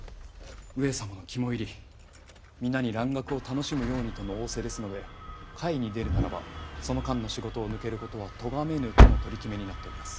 上様の肝煎り皆に蘭学を楽しむようにとの仰せですので会に出るならばその間の仕事を抜けることはとがめぬとの取り決めになっております。